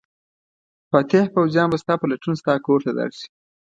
فاتح پوځیان به ستا په لټون ستا کور ته درشي.